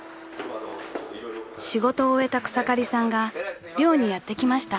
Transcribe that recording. ［仕事を終えた草刈さんが寮にやって来ました］